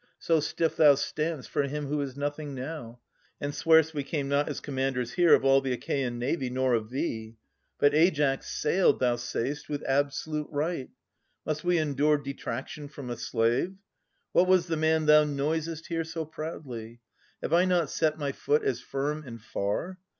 So stiff thou stand'st for him who is nothing now, And swear'st we came not as commanders here Of all the Achaean navy, nor of thee ; But Aias sailed, thou say'st, with absolute right. Must we endure detraction from a slave? What was the man thou noisest here so proudly? Have I not set my foot as firm and far?